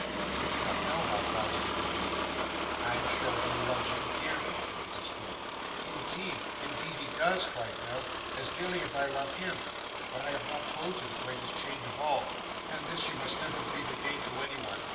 You do not know how fond he is of me!' 'I am sure he loves you dearly,' said Mrs Quilp. 'Indeed, indeed he does!' cried Nell, 'as dearly as I love him. But I have not told you the greatest change of all, and this you must never breathe again to any one.